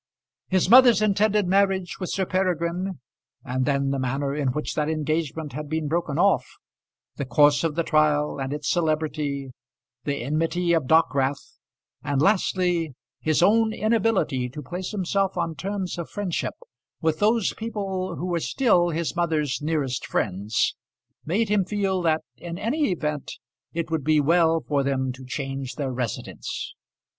His mother's intended marriage with Sir Peregrine, and then the manner in which that engagement had been broken off; the course of the trial, and its celebrity; the enmity of Dockwrath; and lastly, his own inability to place himself on terms of friendship with those people who were still his mother's nearest friends, made him feel that in any event it would be well for them to change their residence.